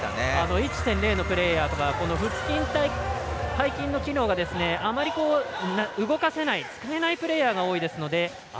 １．０のプレーヤーは腹筋、背筋の機能があまり動かせない使えないプレーヤーが多いのであ